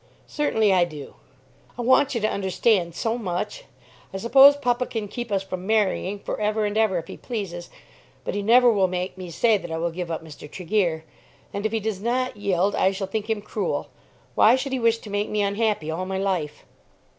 "Certainly I do. I want you to understand so much! I suppose papa can keep us from marrying for ever and ever if he pleases, but he never will make me say that I will give up Mr. Tregear. And if he does not yield I shall think him cruel. Why should he wish to make me unhappy all my life?"